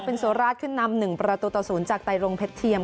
เป็นสุราชขึ้นนำ๑ประตูต่อ๐จากไตรรงเพชรเทียม